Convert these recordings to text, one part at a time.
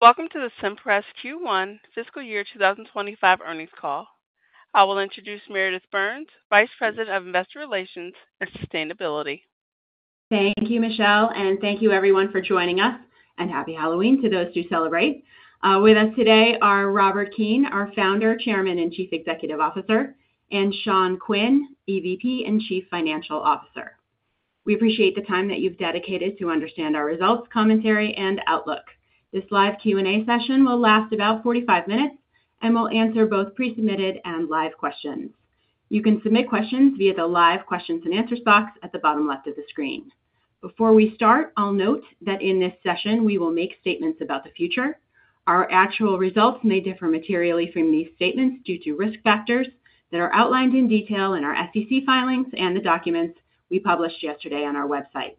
Welcome to the Cimpress Q1 Fiscal Year 2025 earnings call. I will introduce Meredith Burns, Vice President of Investor Relations and Sustainability. Thank you, Michelle, and thank you, everyone, for joining us, and Happy Halloween to those who celebrate. With us today are Robert Keane, our Founder, Chairman, and Chief Executive Officer, and Sean Quinn, EVP and Chief Financial Officer. We appreciate the time that you've dedicated to understand our results, commentary, and outlook. This live Q&A session will last about 45 minutes and will answer both pre-submitted and live questions. You can submit questions via the live questions and answers box at the bottom left of the screen. Before we start, I'll note that in this session we will make statements about the future. Our actual results may differ materially from these statements due to risk factors that are outlined in detail in our SEC filings and the documents we published yesterday on our website.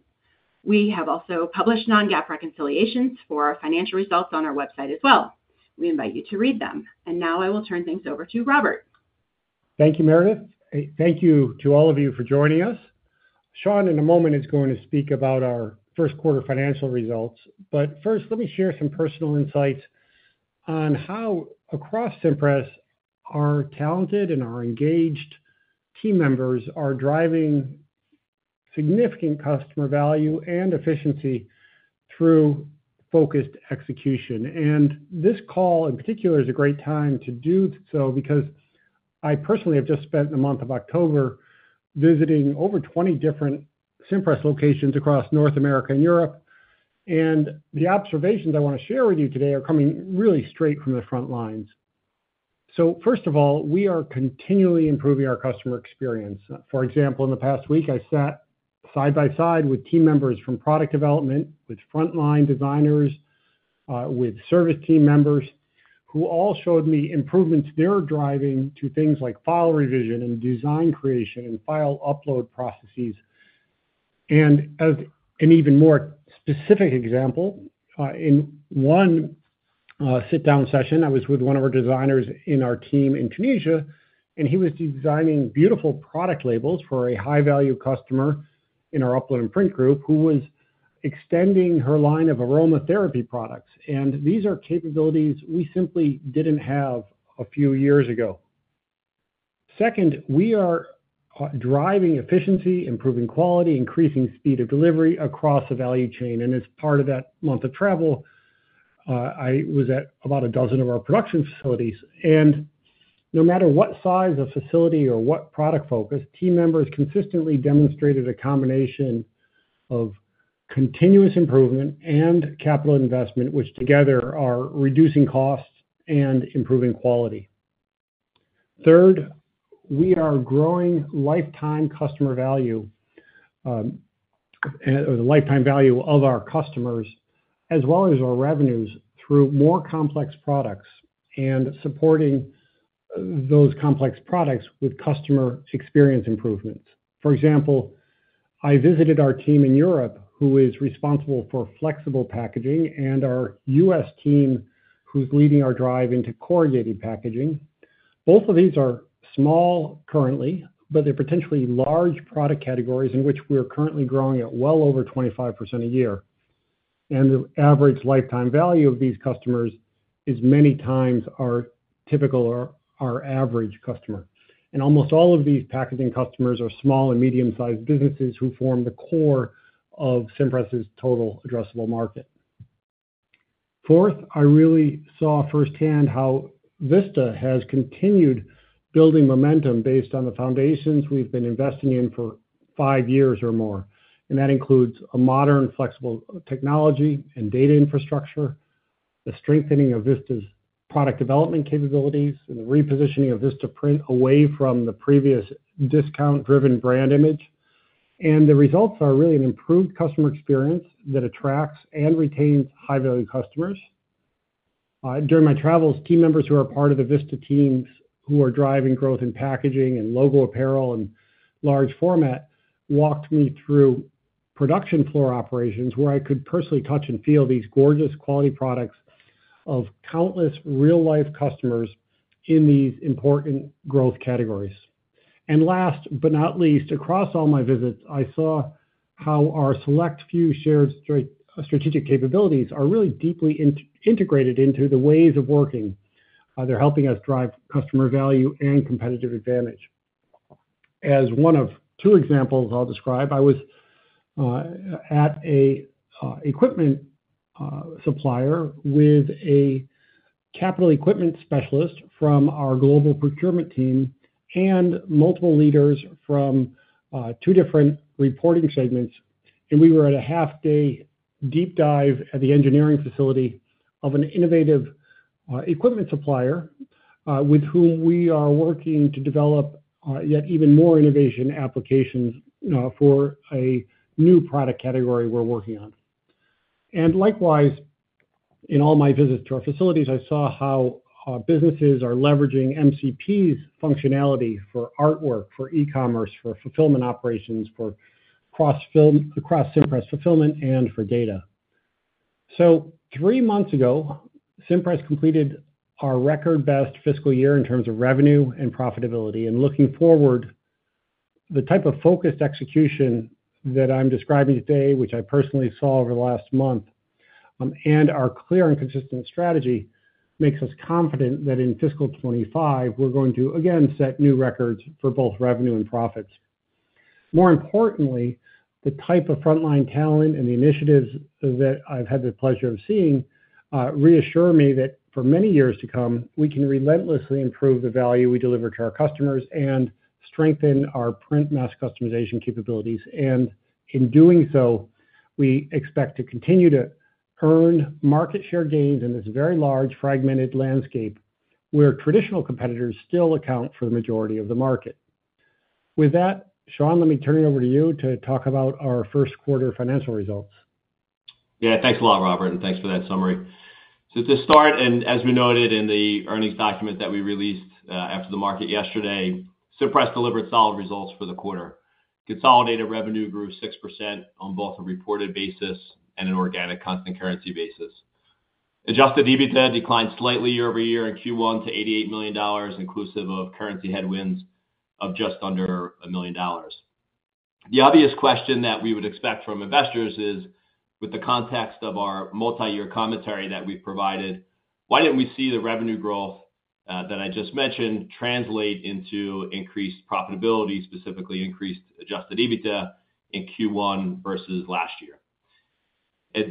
We have also published non-GAAP reconciliations for our financial results on our website as well. We invite you to read them, and now I will turn things over to Robert. Thank you, Meredith. Thank you to all of you for joining us. Sean, in a moment, is going to speak about our first quarter financial results. But first, let me share some personal insights on how, across Cimpress, our talented and our engaged team members are driving significant customer value and efficiency through focused execution. And this call, in particular, is a great time to do so because I personally have just spent the month of October visiting over 20 different Cimpress locations across North America and Europe. And the observations I want to share with you today are coming really straight from the front lines. So first of all, we are continually improving our customer experience. For example, in the past week, I sat side by side with team members from product development, with frontline designers, with service team members, who all showed me improvements they're driving to things like file revision and design creation and file upload processes. And as an even more specific example, in one sit-down session, I was with one of our designers in our team in Tunisia, and he was designing beautiful product labels for a high-value customer in our Upload and Print group who was extending her line of aromatherapy products. And these are capabilities we simply didn't have a few years ago. Second, we are driving efficiency, improving quality, increasing speed of delivery across the value chain. And as part of that month of travel, I was at about a dozen of our production facilities. No matter what size of facility or what product focus, team members consistently demonstrated a combination of continuous improvement and capital investment, which together are reducing costs and improving quality. Third, we are growing lifetime customer value, or the lifetime value of our customers, as well as our revenues through more complex products and supporting those complex products with customer experience improvements. For example, I visited our team in Europe, who is responsible for flexible packaging, and our U.S. team, who's leading our drive into corrugated packaging. Both of these are small currently, but they're potentially large product categories in which we're currently growing at well over 25% a year. The average lifetime value of these customers is many times our typical or our average customer. Almost all of these packaging customers are small and medium-sized businesses who form the core of Cimpress's total addressable market. Fourth, I really saw firsthand how Vista has continued building momentum based on the foundations we've been investing in for five years or more. And that includes a modern flexible technology and data infrastructure, the strengthening of Vista's product development capabilities, and the repositioning of VistaPrint away from the previous discount-driven brand image. And the results are really an improved customer experience that attracts and retains high-value customers. During my travels, team members who are part of the Vista teams who are driving growth in packaging and logo apparel and large format walked me through production floor operations where I could personally touch and feel these gorgeous quality products of countless real-life customers in these important growth categories. And last but not least, across all my visits, I saw how our select few shared strategic capabilities are really deeply integrated into the ways of working. They're helping us drive customer value and competitive advantage. As one of two examples I'll describe, I was at an equipment supplier with a capital equipment specialist from our global procurement team and multiple leaders from two different reporting segments, and we were at a half-day deep dive at the engineering facility of an innovative equipment supplier with whom we are working to develop yet even more innovative applications for a new product category we're working on, and likewise, in all my visits to our facilities, I saw how businesses are leveraging MCP's functionality for artwork, for e-commerce, for fulfillment operations, for cross-Cimpress fulfillment, and for data, so three months ago, Cimpress completed our record-best fiscal year in terms of revenue and profitability. Looking forward, the type of focused execution that I'm describing today, which I personally saw over the last month, and our clear and consistent strategy makes us confident that in fiscal 25, we're going to, again, set new records for both revenue and profits. More importantly, the type of frontline talent and the initiatives that I've had the pleasure of seeing reassure me that for many years to come, we can relentlessly improve the value we deliver to our customers and strengthen our print mass customization capabilities. In doing so, we expect to continue to earn market share gains in this very large fragmented landscape where traditional competitors still account for the majority of the market. With that, Sean, let me turn it over to you to talk about our first quarter financial results. Yeah, thanks a lot, Robert, and thanks for that summary. So to start, and as we noted in the earnings document that we released after the market yesterday, Cimpress delivered solid results for the quarter. Consolidated revenue grew 6% on both a reported basis and an organic constant currency basis. Adjusted EBITDA declined slightly year-over-year in Q1 to $88 million, inclusive of currency headwinds of just under a million dollars. The obvious question that we would expect from investors is, with the context of our multi-year commentary that we've provided, why didn't we see the revenue growth that I just mentioned translate into increased profitability, specifically increased adjusted EBITDA in Q1 versus last year?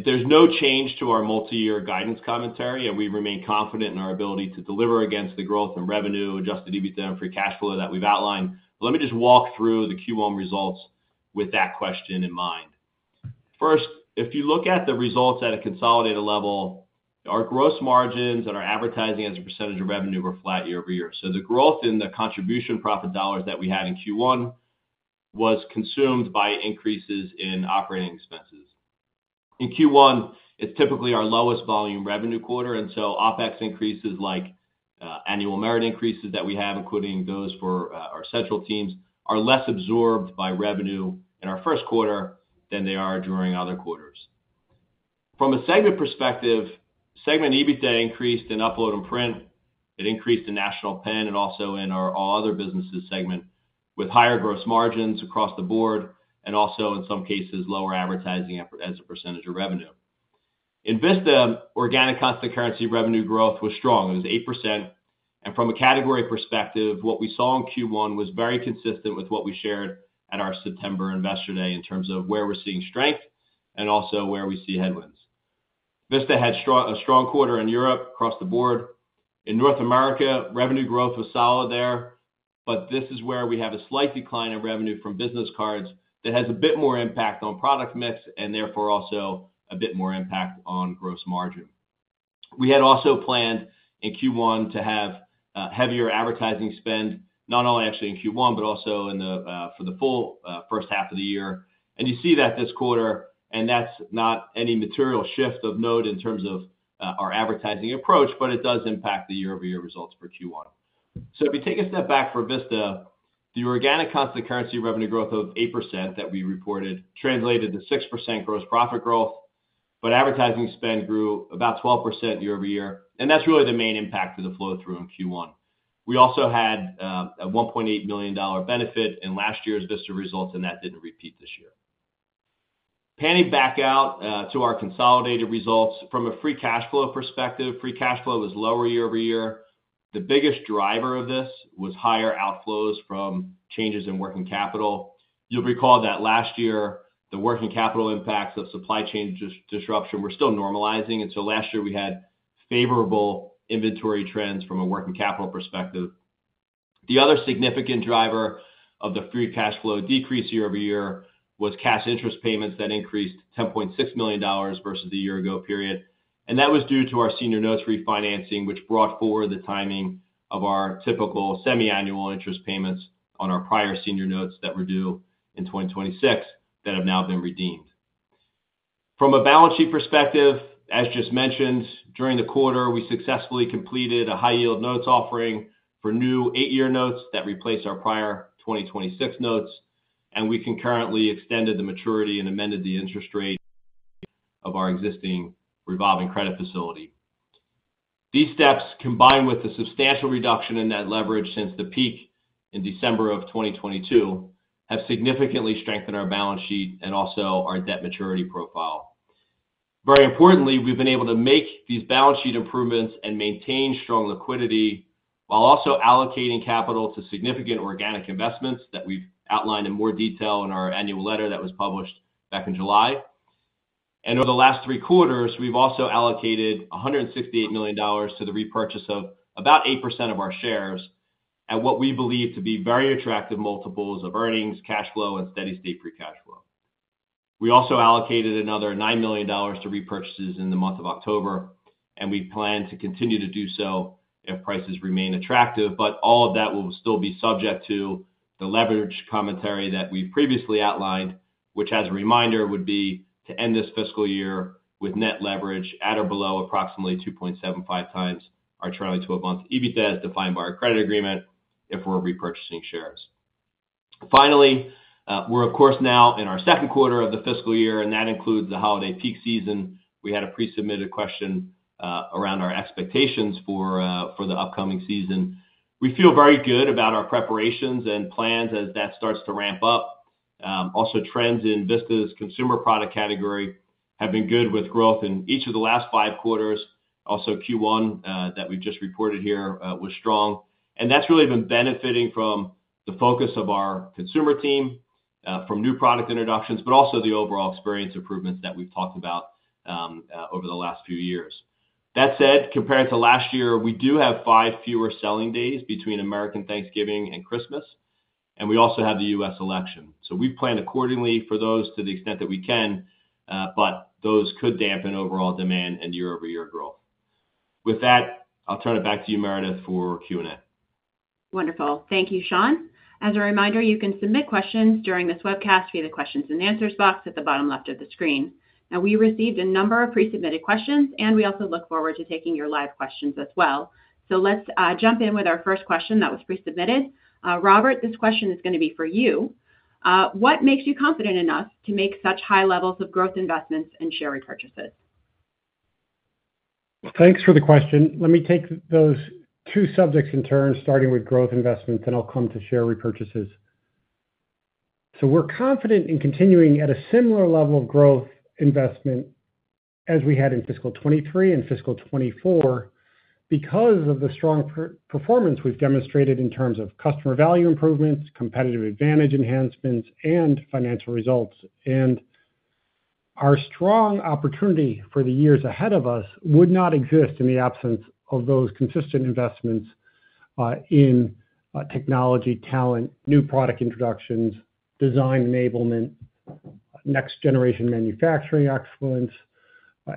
There's no change to our multi-year guidance commentary, and we remain confident in our ability to deliver against the growth in revenue, adjusted EBITDA, and free cash flow that we've outlined. But let me just walk through the Q1 results with that question in mind. First, if you look at the results at a consolidated level, our gross margins and our advertising as a percentage of revenue were flat year-over-year. So the growth in the contribution profit dollars that we had in Q1 was consumed by increases in operating expenses. In Q1, it's typically our lowest volume revenue quarter. And so OPEX increases, like annual merit increases that we have, including those for our central teams, are less absorbed by revenue in our first quarter than they are during other quarters. From a segment perspective, segment EBITDA increased in Upload and Print. It increased in National Pen and also in our All Other Businesses segment with higher gross margins across the board and also, in some cases, lower advertising as a percentage of revenue. In Vista, organic constant currency revenue growth was strong. It was 8%. And from a category perspective, what we saw in Q1 was very consistent with what we shared at our September Investor Day in terms of where we're seeing strength and also where we see headwinds. Vista had a strong quarter in Europe across the board. In North America, revenue growth was solid there, but this is where we have a slight decline in revenue from business cards that has a bit more impact on product mix and therefore also a bit more impact on gross margin. We had also planned in Q1 to have heavier advertising spend, not only actually in Q1, but also for the full first half of the year. You see that this quarter, and that's not any material shift of note in terms of our advertising approach, but it does impact the year-over-year results for Q1. So if we take a step back for Vista, the organic constant currency revenue growth of 8% that we reported translated to 6% gross profit growth, but advertising spend grew about 12% year-over-year. And that's really the main impact of the flow-through in Q1. We also had a $1.8 million benefit in last year's Vista results, and that didn't repeat this year. Panning back out to our consolidated results, from a free cash flow perspective, free cash flow was lower year-over-year. The biggest driver of this was higher outflows from changes in working capital. You'll recall that last year, the working capital impacts of supply chain disruption were still normalizing. And so last year, we had favorable inventory trends from a working capital perspective. The other significant driver of the free cash flow decrease year-over-year was cash interest payments that increased $10.6 million versus the year ago period. And that was due to our senior notes refinancing, which brought forward the timing of our typical semiannual interest payments on our prior senior notes that were due in 2026 that have now been redeemed. From a balance sheet perspective, as just mentioned, during the quarter, we successfully completed a high-yield notes offering for new eight-year notes that replaced our prior 2026 notes. And we concurrently extended the maturity and amended the interest rate of our existing revolving credit facility. These steps, combined with the substantial reduction in that leverage since the peak in December of 2022, have significantly strengthened our balance sheet and also our debt maturity profile. Very importantly, we've been able to make these balance sheet improvements and maintain strong liquidity while also allocating capital to significant organic investments that we've outlined in more detail in our annual letter that was published back in July. And over the last three quarters, we've also allocated $168 million to the repurchase of about 8% of our shares at what we believe to be very attractive multiples of earnings, cash flow, and steady-state free cash flow. We also allocated another $9 million to repurchases in the month of October, and we plan to continue to do so if prices remain attractive. But all of that will still be subject to the leverage commentary that we've previously outlined, which, as a reminder, would be to end this fiscal year with net leverage at or below approximately 2.75 times our trailing 12-month EBITDA as defined by our credit agreement if we're repurchasing shares. Finally, we're, of course, now in our second quarter of the fiscal year, and that includes the holiday peak season. We had a pre-submitted question around our expectations for the upcoming season. We feel very good about our preparations and plans as that starts to ramp up. Also, trends in Vista's consumer product category have been good with growth in each of the last five quarters. Also, Q1 that we've just reported here was strong. And that's really been benefiting from the focus of our consumer team, from new product introductions, but also the overall experience improvements that we've talked about over the last few years. That said, compared to last year, we do have five fewer selling days between American Thanksgiving and Christmas, and we also have the U.S. election. So we've planned accordingly for those to the extent that we can, but those could dampen overall demand and year-over-year growth. With that, I'll turn it back to you, Meredith, for Q&A. Wonderful. Thank you, Sean. As a reminder, you can submit questions during this webcast via the questions and answers box at the bottom left of the screen. Now, we received a number of pre-submitted questions, and we also look forward to taking your live questions as well. So let's jump in with our first question that was pre-submitted. Robert, this question is going to be for you. What makes you confident enough to make such high levels of growth investments and share repurchases? Thanks for the question. Let me take those two subjects in turn, starting with growth investments, and I'll come to share repurchases. We're confident in continuing at a similar level of growth investment as we had in fiscal 2023 and fiscal 2024 because of the strong performance we've demonstrated in terms of customer value improvements, competitive advantage enhancements, and financial results. Our strong opportunity for the years ahead of us would not exist in the absence of those consistent investments in technology, talent, new product introductions, design enablement, next-generation manufacturing excellence,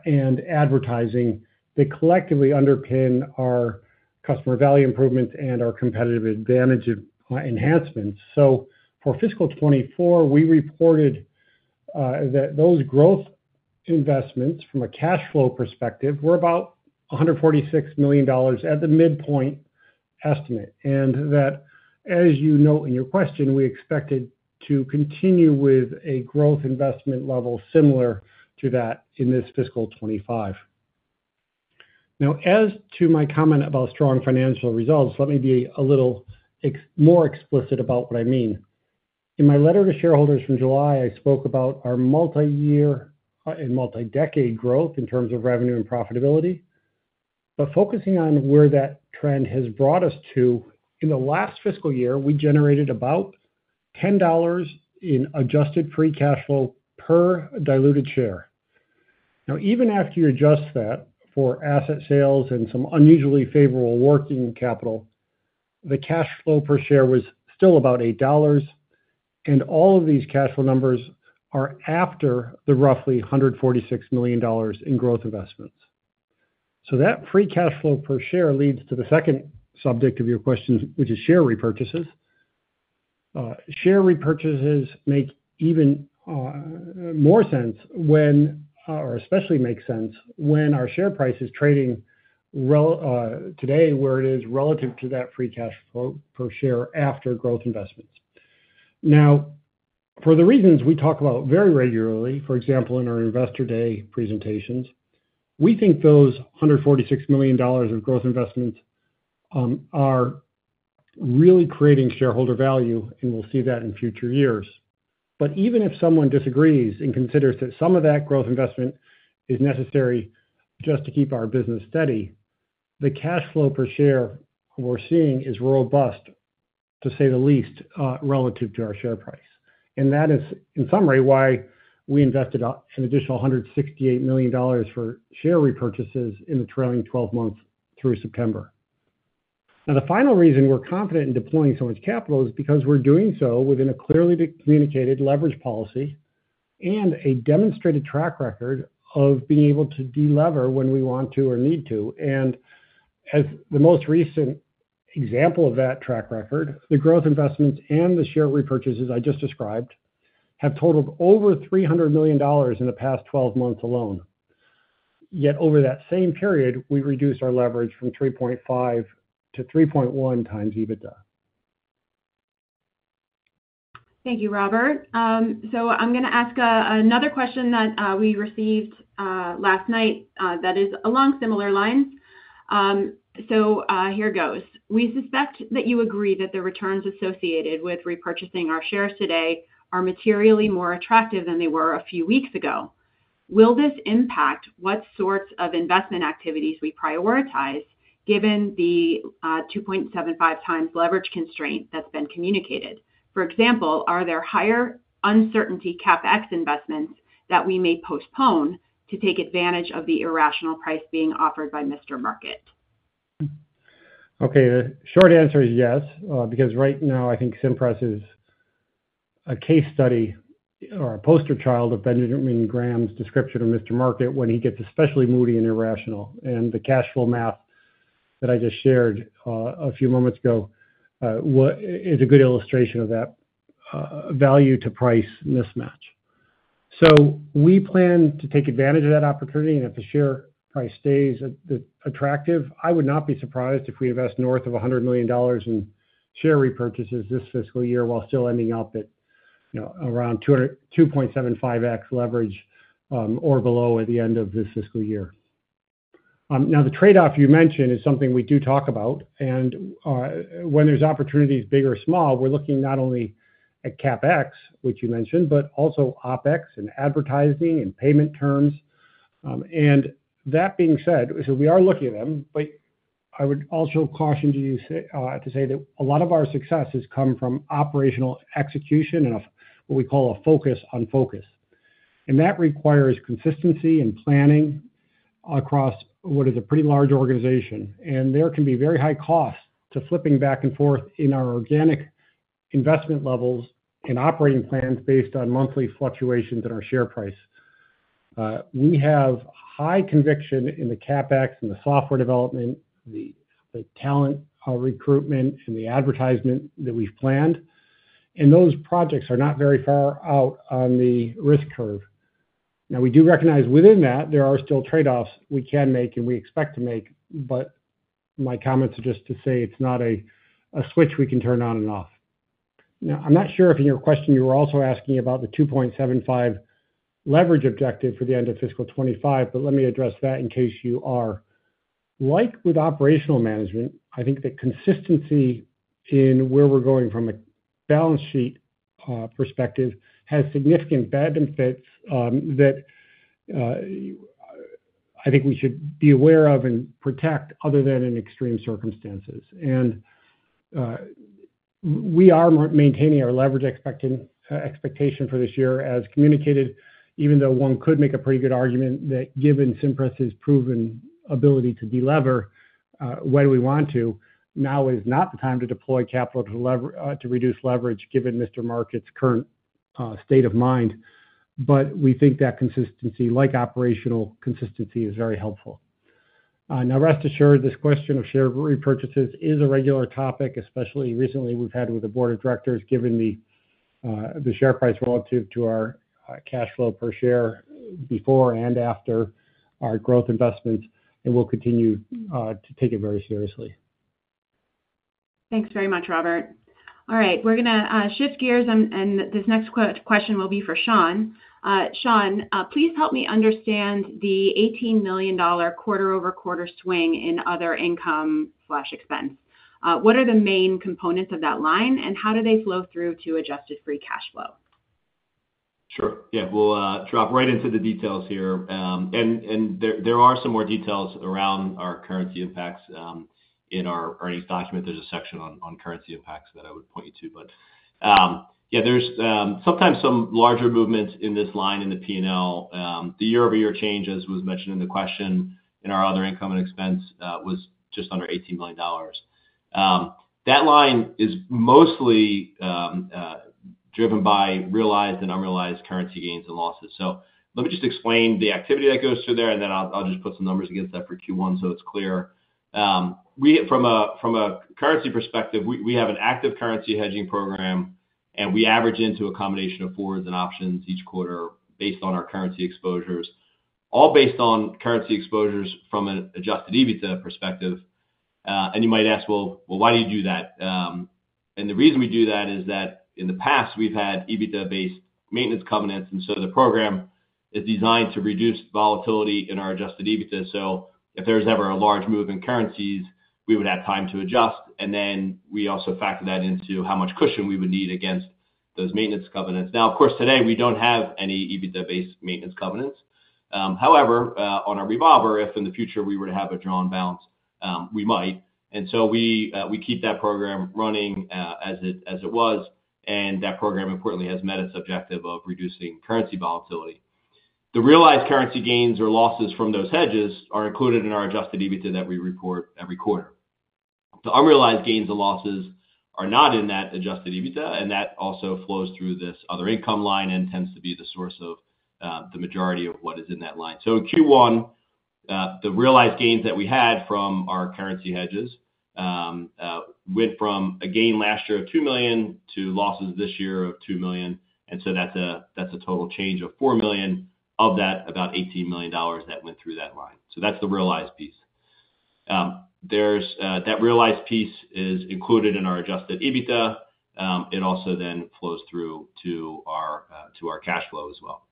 and advertising that collectively underpin our customer value improvements and our competitive advantage enhancements. For fiscal 2024, we reported that those growth investments, from a cash flow perspective, were about $146 million at the midpoint estimate. That, as you note in your question, we expected to continue with a growth investment level similar to that in this Fiscal 25. Now, as to my comment about strong financial results, let me be a little more explicit about what I mean. In my letter to shareholders from July, I spoke about our multi-year and multi-decade growth in terms of revenue and profitability. Focusing on where that trend has brought us to, in the last fiscal year, we generated about $10 in adjusted free cash flow per diluted share. Now, even after you adjust that for asset sales and some unusually favorable working capital, the cash flow per share was still about $8. All of these cash flow numbers are after the roughly $146 million in growth investments. So that free cash flow per share leads to the second subject of your questions, which is share repurchases. Share repurchases make even more sense when or especially make sense when our share price is trading today where it is relative to that free cash flow per share after growth investments. Now, for the reasons we talk about very regularly, for example, in our Investor Day presentations, we think those $146 million of growth investments are really creating shareholder value, and we'll see that in future years. But even if someone disagrees and considers that some of that growth investment is necessary just to keep our business steady, the cash flow per share we're seeing is robust, to say the least, relative to our share price. And that is, in summary, why we invested an additional $168 million for share repurchases in the trailing 12 months through September. Now, the final reason we're confident in deploying so much capital is because we're doing so within a clearly communicated leverage policy and a demonstrated track record of being able to delever when we want to or need to. And as the most recent example of that track record, the growth investments and the share repurchases I just described have totaled over $300 million in the past 12 months alone. Yet over that same period, we reduced our leverage from 3.5 to 3.1 times EBITDA. Thank you, Robert. So I'm going to ask another question that we received last night that is along similar lines. So here goes. We suspect that you agree that the returns associated with repurchasing our shares today are materially more attractive than they were a few weeks ago. Will this impact what sorts of investment activities we prioritize given the 2.75 times leverage constraint that's been communicated? For example, are there higher uncertainty CapEx investments that we may postpone to take advantage of the irrational price being offered by Mr. Market? Okay. The short answer is yes because right now, I think Cimpress is a case study or a poster child of Benjamin Graham's description of Mr. Market when he gets especially moody and irrational. And the cash flow math that I just shared a few moments ago is a good illustration of that value-to-price mismatch. So we plan to take advantage of that opportunity. And if the share price stays attractive, I would not be surprised if we invest north of $100 million in share repurchases this fiscal year while still ending up at around 2.75x leverage or below at the end of this fiscal year. Now, the trade-off you mentioned is something we do talk about. And when there's opportunities, big or small, we're looking not only at CapEx, which you mentioned, but also OPEX and advertising and payment terms. That being said, we are looking at them, but I would also caution you to say that a lot of our success has come from operational execution and what we call a focus on focus. That requires consistency and planning across what is a pretty large organization. There can be very high costs to flipping back and forth in our organic investment levels and operating plans based on monthly fluctuations in our share price. We have high conviction in the CapEx and the software development, the talent recruitment, and the advertisement that we've planned. Those projects are not very far out on the risk curve. We do recognize within that there are still trade-offs we can make and we expect to make, but my comments are just to say it's not a switch we can turn on and off. Now, I'm not sure if in your question you were also asking about the 2.75 leverage objective for the end of Fiscal 25, but let me address that in case you are. Like with operational management, I think that consistency in where we're going from a balance sheet perspective has significant benefits that I think we should be aware of and protect other than in extreme circumstances. And we are maintaining our leverage expectation for this year, as communicated, even though one could make a pretty good argument that given Cimpress's proven ability to delever when we want to, now is not the time to deploy capital to reduce leverage given Mr. Market's current state of mind. But we think that consistency, like operational consistency, is very helpful. Now, rest assured, this question of share repurchases is a regular topic, especially recently we've had with the board of directors given the share price relative to our cash flow per share before and after our growth investments, and we'll continue to take it very seriously. Thanks very much, Robert. All right. We're going to shift gears, and this next question will be for Sean. Sean, please help me understand the $18 million quarter-over-quarter swing in other income/expense. What are the main components of that line, and how do they flow through to adjusted free cash flow? Sure. Yeah. We'll drop right into the details here, and there are some more details around our currency impacts in our earnings document. There's a section on currency impacts that I would point you to, but yeah, there's sometimes some larger movements in this line in the P&L. The year-over-year change, as was mentioned in the question, in our other income and expense was just under $18 million. That line is mostly driven by realized and unrealized currency gains and losses, so let me just explain the activity that goes through there, and then I'll just put some numbers against that for Q1 so it's clear. From a currency perspective, we have an active currency hedging program, and we average into a combination of forwards and options each quarter based on our currency exposures, all based on currency exposures from an adjusted EBITDA perspective. You might ask, well, why do you do that? The reason we do that is that in the past, we've had EBITDA-based maintenance covenants. The program is designed to reduce volatility in our Adjusted EBITDA. If there was ever a large move in currencies, we would have time to adjust. Then we also factor that into how much cushion we would need against those maintenance covenants. Now, of course, today, we don't have any EBITDA-based maintenance covenants. However, on our revolver, if in the future we were to have a drawn balance, we might. We keep that program running as it was. That program, importantly, has met its objective of reducing currency volatility. The realized currency gains or losses from those hedges are included in our Adjusted EBITDA that we report every quarter. The unrealized gains and losses are not in that Adjusted EBITDA, and that also flows through this other income line and tends to be the source of the majority of what is in that line, so in Q1, the realized gains that we had from our currency hedges went from a gain last year of $2 million to losses this year of $2 million, and so that's a total change of $4 million of that, about $18 million that went through that line, so that's the realized piece. That realized piece is included in our Adjusted EBITDA. It also then flows through to our cash flow as well.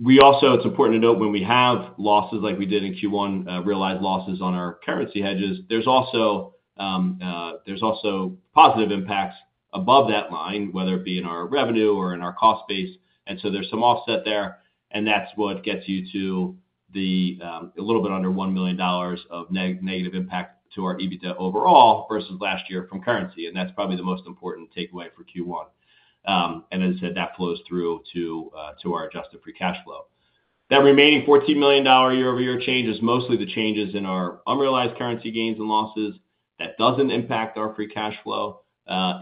We also, it's important to note when we have losses like we did in Q1, realized losses on our currency hedges, there's also positive impacts above that line, whether it be in our revenue or in our cost base. And so there's some offset there. And that's what gets you to a little bit under $1 million of negative impact to our EBITDA overall versus last year from currency. And that's probably the most important takeaway for Q1. And as I said, that flows through to our adjusted free cash flow. That remaining $14 million year-over-year change is mostly the changes in our unrealized currency gains and losses. That doesn't impact our free cash flow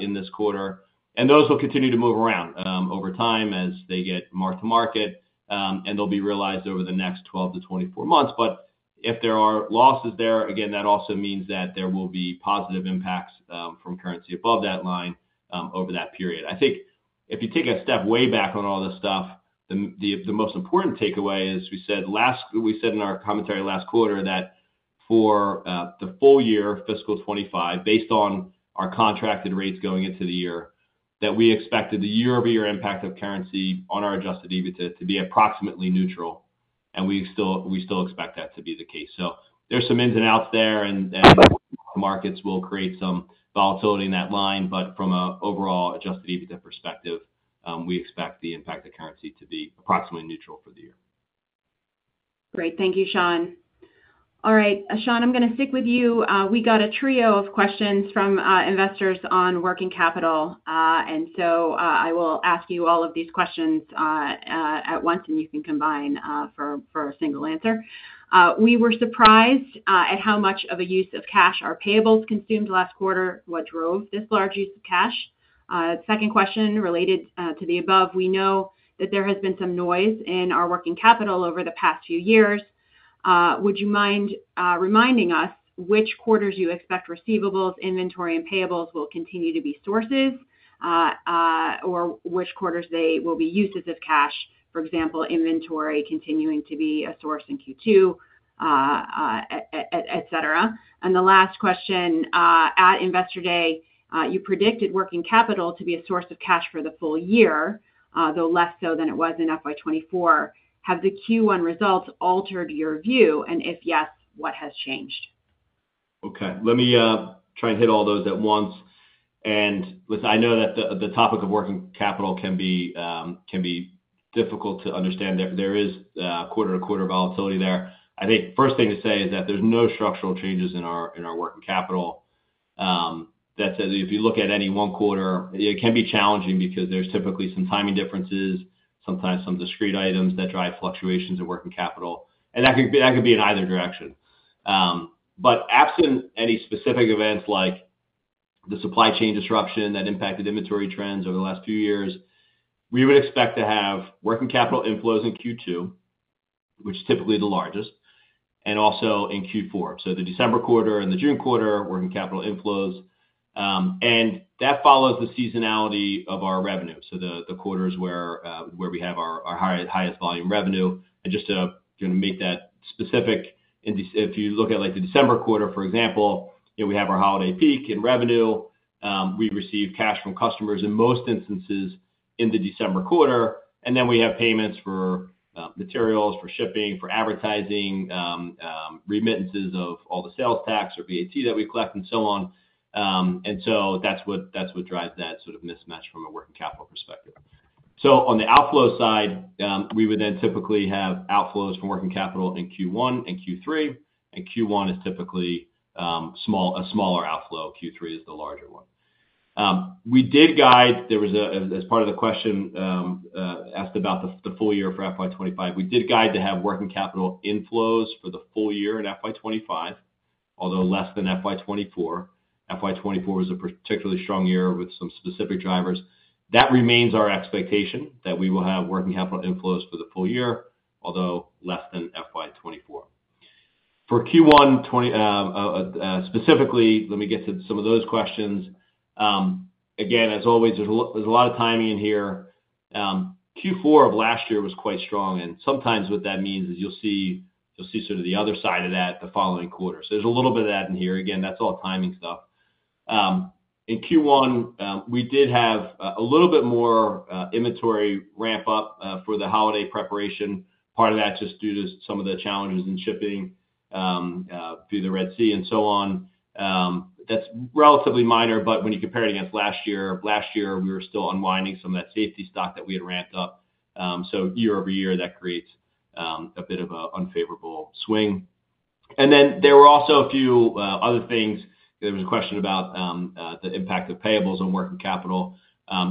in this quarter. And those will continue to move around over time as they get more to market, and they'll be realized over the next 12 to 24 months. But if there are losses there, again, that also means that there will be positive impacts from currency above that line over that period. I think if you take a step way back on all this stuff, the most important takeaway is we said in our commentary last quarter that for the full year, Fiscal 25, based on our contracted rates going into the year, that we expected the year-over-year impact of currency on our Adjusted EBITDA to be approximately neutral, and we still expect that to be the case, so there's some ins and outs there, and markets will create some volatility in that line, but from an overall Adjusted EBITDA perspective, we expect the impact of currency to be approximately neutral for the year. Great. Thank you, Sean. All right. Sean, I'm going to stick with you. We got a trio of questions from investors on working capital. And so I will ask you all of these questions at once, and you can combine for a single answer. We were surprised at how much of a use of cash our payables consumed last quarter. What drove this large use of cash? Second question related to the above. We know that there has been some noise in our working capital over the past few years. Would you mind reminding us which quarters you expect receivables, inventory, and payables will continue to be sources, or which quarters they will be uses of cash? For example, inventory continuing to be a source in Q2, etc. And the last question. At Investor Day, you predicted working capital to be a source of cash for the full year, though less so than it was in FY24. Have the Q1 results altered your view, and if yes, what has changed? Okay. Let me try and hit all those at once. And I know that the topic of working capital can be difficult to understand. There is quarter-to-quarter volatility there. I think first thing to say is that there's no structural changes in our working capital. That said, if you look at any one quarter, it can be challenging because there's typically some timing differences, sometimes some discrete items that drive fluctuations in working capital. And that could be in either direction. But absent any specific events like the supply chain disruption that impacted inventory trends over the last few years, we would expect to have working capital inflows in Q2, which is typically the largest, and also in Q4. So the December quarter and the June quarter, working capital inflows. And that follows the seasonality of our revenue. So the quarters where we have our highest volume revenue. Just to make that specific, if you look at the December quarter, for example, we have our holiday peak in revenue. We received cash from customers in most instances in the December quarter. Then we have payments for materials, for shipping, for advertising, remittances of all the sales tax or VAT that we collect, and so on. That's what drives that sort of mismatch from a working capital perspective. On the outflow side, we would then typically have outflows from working capital in Q1 and Q3. Q1 is typically a smaller outflow. Q3 is the larger one. We did guide as part of the question asked about the full year for FY25, we did guide to have working capital inflows for the full year in FY25, although less than FY24. FY24 was a particularly strong year with some specific drivers. That remains our expectation that we will have working capital inflows for the full year, although less than FY24. For Q1 specifically, let me get to some of those questions. Again, as always, there's a lot of timing in here. Q4 of last year was quite strong, and sometimes what that means is you'll see sort of the other side of that the following quarter, so there's a little bit of that in here. Again, that's all timing stuff. In Q1, we did have a little bit more inventory ramp-up for the holiday preparation. Part of that just due to some of the challenges in shipping via the Red Sea and so on. That's relatively minor, but when you compare it against last year, last year, we were still unwinding some of that safety stock that we had ramped up. So year-over-year, that creates a bit of an unfavorable swing. And then there were also a few other things. There was a question about the impact of payables on working capital.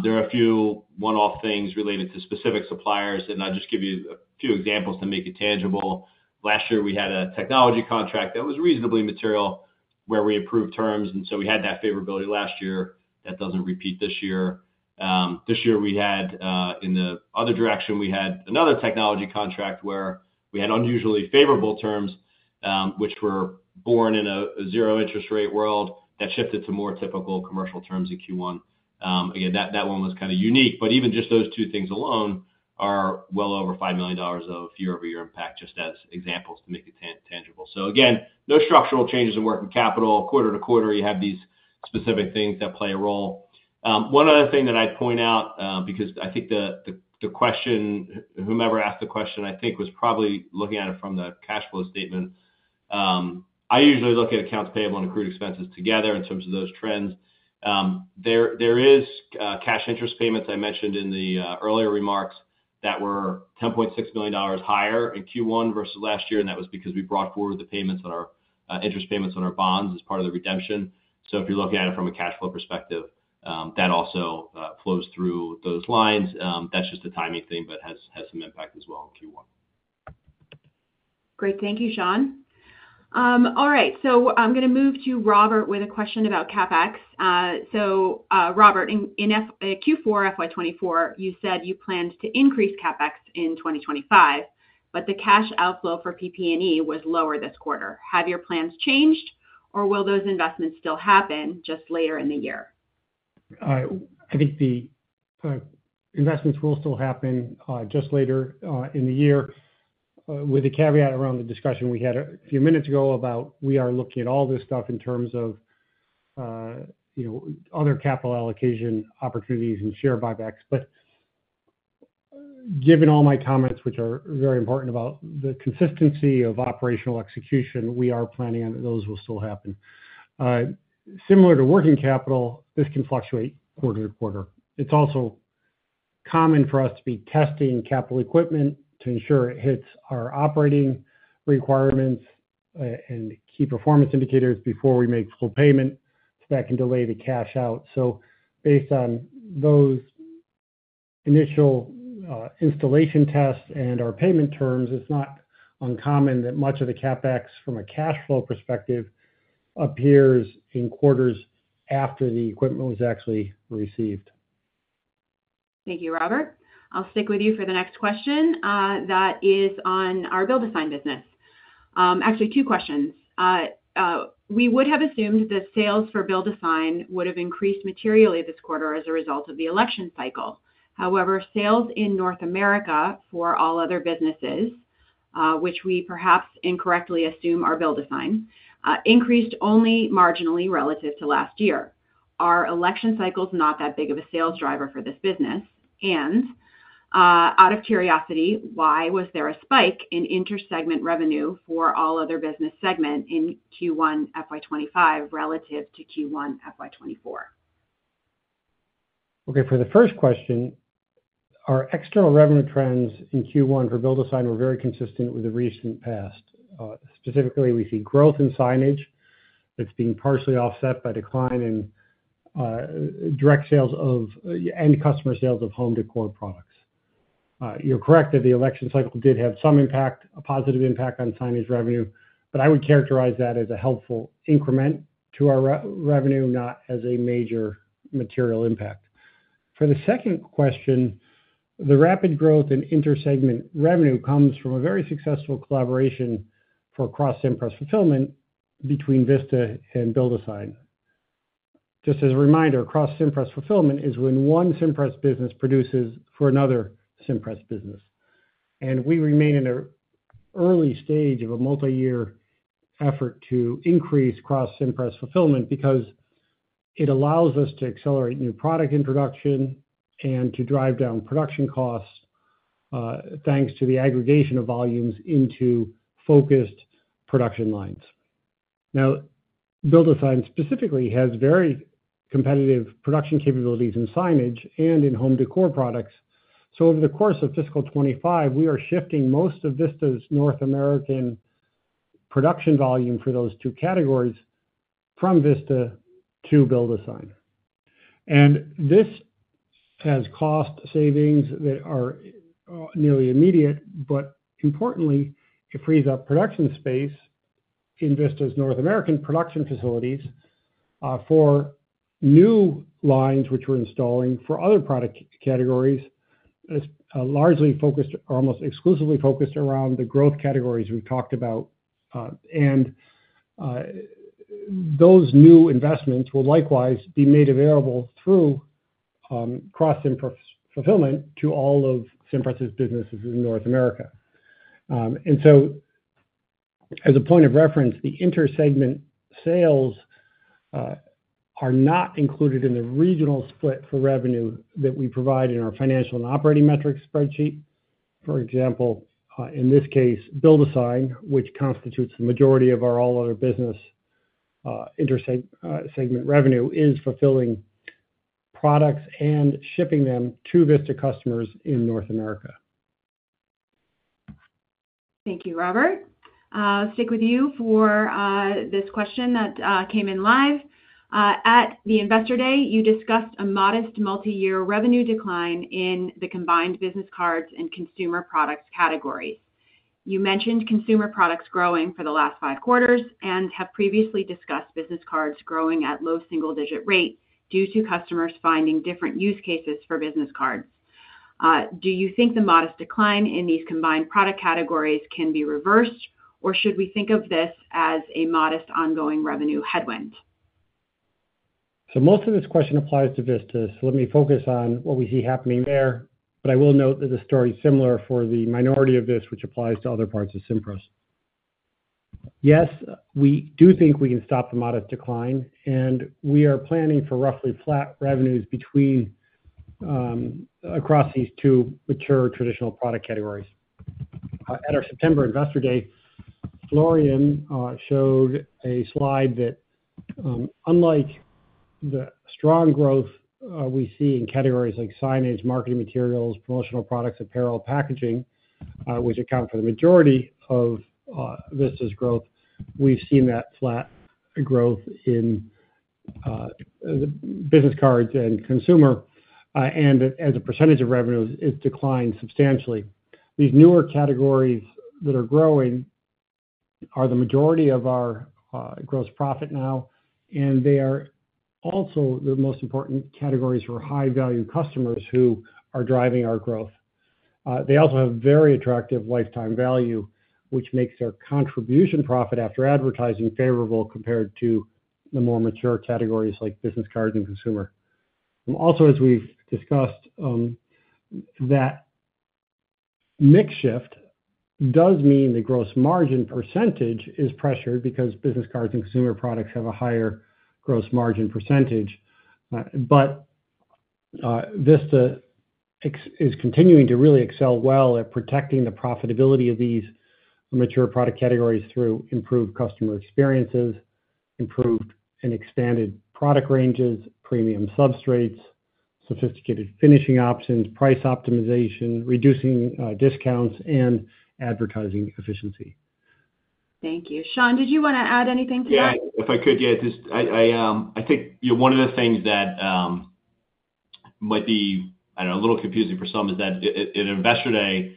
There are a few one-off things related to specific suppliers. And I'll just give you a few examples to make it tangible. Last year, we had a technology contract that was reasonably material where we approved terms. And so we had that favorability last year. That doesn't repeat this year. This year, in the other direction, we had another technology contract where we had unusually favorable terms, which were born in a zero-interest rate world that shifted to more typical commercial terms in Q1. Again, that one was kind of unique. But even just those two things alone are well over $5 million of year-over-year impact just as examples to make it tangible. So again, no structural changes in working capital. Quarter to quarter, you have these specific things that play a role. One other thing that I'd point out, because I think the question, whomever asked the question, I think was probably looking at it from the cash flow statement. I usually look at accounts payable and accrued expenses together in terms of those trends. There are cash interest payments I mentioned in the earlier remarks that were $10.6 million higher in Q1 versus last year. And that was because we brought forward the payments on our interest payments on our bonds as part of the redemption. So if you're looking at it from a cash flow perspective, that also flows through those lines. That's just a timing thing but has some impact as well in Q1. Great. Thank you, Sean. All right. So I'm going to move to Robert with a question about CapEx. So Robert, in Q4, FY24, you said you planned to increase CapEx in 2025, but the cash outflow for PP&E was lower this quarter. Have your plans changed, or will those investments still happen just later in the year? I think the investments will still happen just later in the year with a caveat around the discussion we had a few minutes ago about we are looking at all this stuff in terms of other capital allocation opportunities and share buybacks, but given all my comments, which are very important about the consistency of operational execution, we are planning on those will still happen. Similar to working capital, this can fluctuate quarter-to-quarter. It's also common for us to be testing capital equipment to ensure it hits our operating requirements and key performance indicators before we make full payment so that can delay the cash out, so based on those initial installation tests and our payment terms, it's not uncommon that much of the CapEx from a cash flow perspective appears in quarters after the equipment was actually received. Thank you, Robert. I'll stick with you for the next question. That is on our BuildASign business. Actually, two questions. We would have assumed that sales for BuildASign would have increased materially this quarter as a result of the election cycle. However, sales in North America for All Other Businesses, which we perhaps incorrectly assume are BuildASign, increased only marginally relative to last year. Are election cycles not that big of a sales driver for this business? And out of curiosity, why was there a spike in inter-segment revenue for all other business segments in Q1 FY25 relative to Q1 FY24? Okay. For the first question, our external revenue trends in Q1 for BuildASign were very consistent with the recent past. Specifically, we see growth in signage that's being partially offset by decline in direct sales of and customer sales of home decor products. You're correct that the election cycle did have some impact, a positive impact on signage revenue, but I would characterize that as a helpful increment to our revenue, not as a major material impact. For the second question, the rapid growth in inter-segment revenue comes from a very successful collaboration for cross-Cimpress fulfillment between Vista and BuildASign. Just as a reminder, cross-Cimpress fulfillment is when one Cimpress business produces for another Cimpress business. And we remain in an early stage of a multi-year effort to increase cross-Cimpress fulfillment because it allows us to accelerate new product introduction and to drive down production costs thanks to the aggregation of volumes into focused production lines. Now, BuildASign specifically has very competitive production capabilities in signage and in home decor products. So over the course of Fiscal 25, we are shifting most of Vista's North American production volume for those two categories from Vista to BuildASign. And this has cost savings that are nearly immediate, but importantly, it frees up production space in Vista's North American production facilities for new lines which we're installing for other product categories largely focused or almost exclusively focused around the growth categories we've talked about. And those new investments will likewise be made available through cross-Cimpress fulfillment to all of Cimpress's businesses in North America. And so as a point of reference, the inter-segment sales are not included in the regional split for revenue that we provide in our financial and operating metrics spreadsheet. For example, in this case, BuildASign, which constitutes the majority of our All Other Businesses inter-segment revenue, is fulfilling products and shipping them to Vista customers in North America. Thank you, Robert. I'll stick with you for this question that came in live. At the Investor Day, you discussed a modest multi-year revenue decline in the combined business cards and consumer products categories. You mentioned consumer products growing for the last five quarters and have previously discussed business cards growing at low single-digit rate due to customers finding different use cases for business cards. Do you think the modest decline in these combined product categories can be reversed, or should we think of this as a modest ongoing revenue headwind? So most of this question applies to Vista. So let me focus on what we see happening there. But I will note that the story is similar for the minority of this, which applies to other parts of Cimpress. Yes, we do think we can stop the modest decline. And we are planning for roughly flat revenues across these two mature traditional product categories. At our September Investor Day, Florian showed a slide that, unlike the strong growth we see in categories like signage, marketing materials, promotional products, apparel, packaging, which account for the majority of Vista's growth, we've seen that flat growth in business cards and consumer. And as a percentage of revenues, it's declined substantially. These newer categories that are growing are the majority of our gross profit now. And they are also the most important categories for high-value customers who are driving our growth. They also have very attractive lifetime value, which makes their contribution profit after advertising favorable compared to the more mature categories like business cards and consumer. Also, as we've discussed, that mix shift does mean the gross margin percentage is pressured because business cards and consumer products have a higher gross margin percentage. But Vista is continuing to really excel well at protecting the profitability of these mature product categories through improved customer experiences, improved and expanded product ranges, premium substrates, sophisticated finishing options, price optimization, reducing discounts, and advertising efficiency. Thank you. Sean, did you want to add anything to that? Yeah. If I could, yeah. I think one of the things that might be, I don't know, a little confusing for some is that at Investor Day,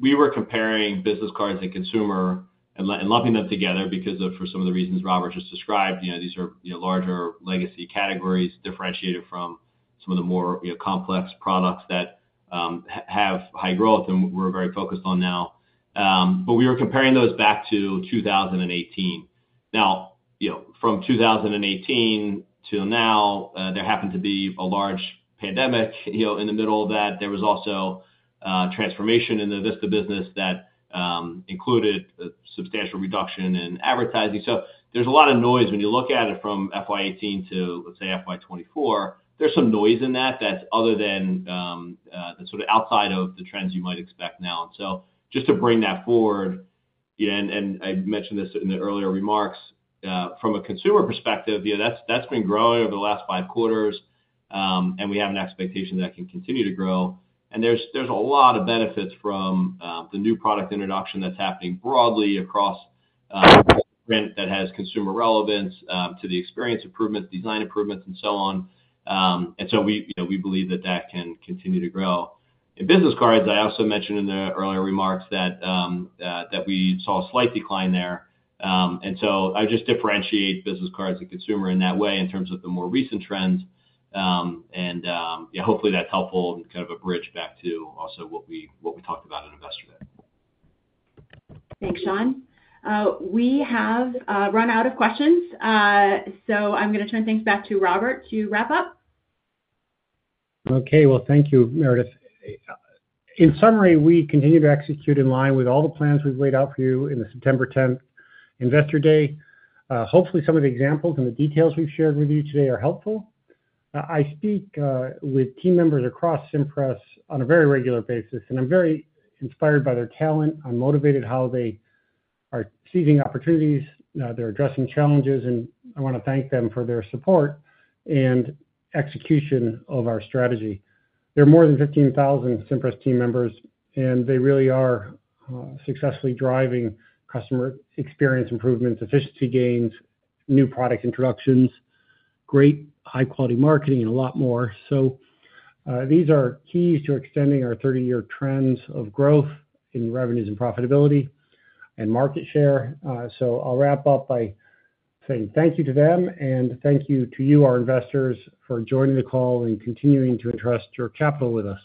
we were comparing business cards and consumer and lumping them together because of, for some of the reasons Robert just described, these are larger legacy categories differentiated from some of the more complex products that have high growth and we're very focused on now. But we were comparing those back to 2018. Now, from 2018 to now, there happened to be a large pandemic in the middle of that. There was also transformation in the Vista business that included a substantial reduction in advertising. So there's a lot of noise when you look at it from FY 2018 to, let's say, FY 2024. There's some noise in that that's other than sort of outside of the trends you might expect now. And so just to bring that forward, and I mentioned this in the earlier remarks, from a consumer perspective, that's been growing over the last five quarters. And we have an expectation that can continue to grow. And there's a lot of benefits from the new product introduction that's happening broadly across that has consumer relevance to the experience improvements, design improvements, and so on. And so we believe that that can continue to grow. In business cards, I also mentioned in the earlier remarks that we saw a slight decline there. And so I just differentiate business cards and consumer in that way in terms of the more recent trends. And hopefully, that's helpful and kind of a bridge back to also what we talked about at Investor Day. Thanks, Sean. We have run out of questions. So I'm going to turn things back to Robert to wrap up. Okay, well, thank you, Meredith. In summary, we continue to execute in line with all the plans we've laid out for you in the September 10th Investor Day. Hopefully, some of the examples and the details we've shared with you today are helpful. I speak with team members across Cimpress on a very regular basis, and I'm very inspired by their talent. I'm motivated how they are seizing opportunities. They're addressing challenges, and I want to thank them for their support and execution of our strategy. There are more than 15,000 Cimpress team members, and they really are successfully driving customer experience improvements, efficiency gains, new product introductions, great high-quality marketing, and a lot more, so these are keys to extending our 30-year trends of growth in revenues and profitability and market share, so I'll wrap up by saying thank you to them. Thank you to you, our investors, for joining the call and continuing to entrust your capital with us.